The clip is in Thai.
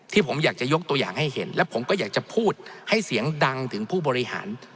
ผมอยากจะยกตัวอย่างให้เห็นและผมก็อยากจะพูดให้เสียงดังถึงผู้บริหาร